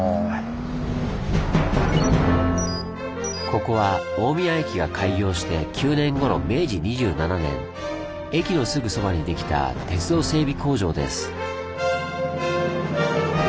ここは大宮駅が開業して９年後の明治２７年駅のすぐそばにできた鉄道整備工場です。